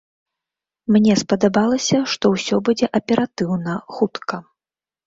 Мне спадабалася, што ўсё будзе аператыўна, хутка.